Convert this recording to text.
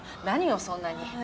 何をそんなに。